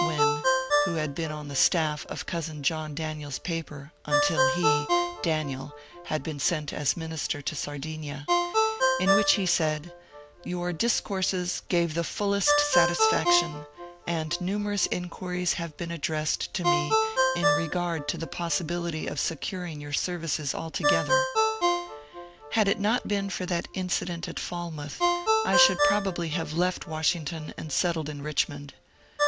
Wynne (who had been on the staff of cousin John Daniel's paper until he — Daniel — had been sent as Minister to Sar dinia), in which he said, Your discourses gave the fullest satisfaction, and numerous inquiries have been addressed to me in regard to the possibility of securing your services altogether." Had it not been for that incident at Falmouth I should probably have left Washington and settled in Rich mond.